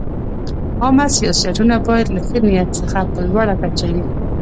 عامه سیاستونه باید له ښه نیت څخه په لوړه کچه وي.